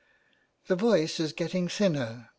" The voice is getting thinner.